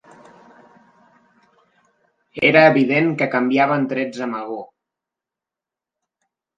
Era evident que canviaven trets amb algú